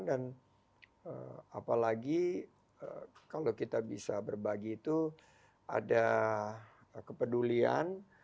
dan apalagi kalau kita bisa berbagi itu ada kepedulian